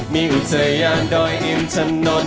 มีอุธยานดอยอิ่มชะนด